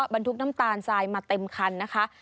บรรทุกน้ำตาลทรายมาเต็มคันนะคะ